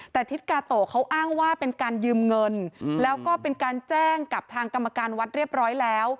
แต่ทิศกาโตเขาอ้างว่าเป็นการยืมเงินแล้วก็เป็นการแจ้งกับทางกรรมการวัดเรียบร้อยแล้ว